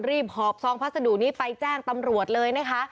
หอบซองพัสดุนี้ไปแจ้งตำรวจเลยนะคะ